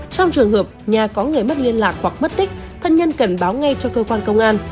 trong trường hợp nhà có người mất liên lạc hoặc mất tích thân nhân cần báo ngay cho cơ quan công an